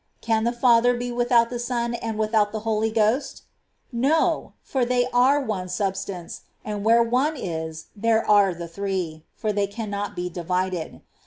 Can the Father be without the Son and without the Holy Ghost ? No ; for They are one substance, and where One is there are the Three ; for They cannot be divided.